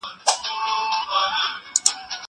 زه اجازه لرم چي واښه راوړم!!